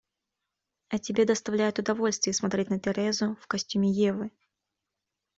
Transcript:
А тебе доставляет удовольствие смотреть на Терезу в костюме Евы...